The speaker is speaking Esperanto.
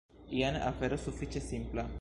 Jen afero sufiĉe simpla.